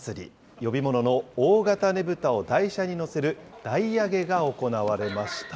呼び物の大型ねぶたを台車に載せる、台上げが行われました。